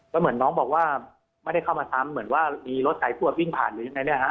ก็เหมือนน้องบอกว่าไม่ได้เข้ามาทำเหมือนว่ามีรถใส่ปวดวิ่งผ่านอยู่อยู่ในนี้นะฮะ